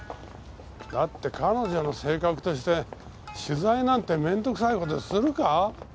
だって彼女の性格として取材なんて面倒くさい事するか？